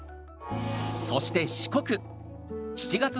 そして四国。